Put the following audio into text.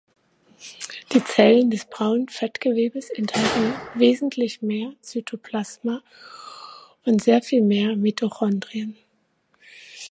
Die Zellen des braunen Fettgewebes enthalten wesentlich mehr Cytoplasma und sehr viel mehr Mitochondrien.